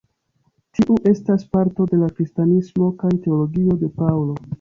Tiu estas parto de la kristanismo kaj teologio de Paŭlo.